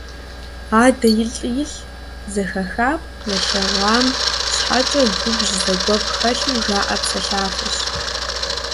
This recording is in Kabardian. «Адэ илӏи-илӏ» - зэхахам, ялъэгъуам щхьэкӀэ губжь, зэгуэп хэлъу жаӀэ псэлъафэщ.